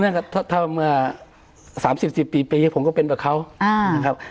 เนี่ยครับถ้าเมื่อสามสิบสิบปีผมก็เป็นแบบเขาอ่าครับ